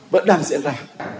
vẫn đang diễn ra